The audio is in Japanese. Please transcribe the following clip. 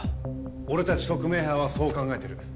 俺たち特命班はそう考えてる。